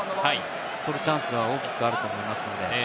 取るチャンスは大きくあると思いますので。